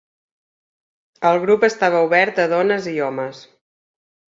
El grup estava obert a dones i homes.